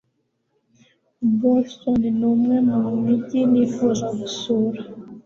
boston ni umwe mu mijyi nifuza gusura